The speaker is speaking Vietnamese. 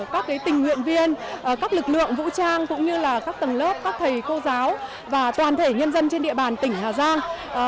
các tình nguyện viên các lực lượng vũ trang cũng như các tầng lớp các thầy cô giáo và toàn thể nhân dân trên địa bàn tỉnh hà giang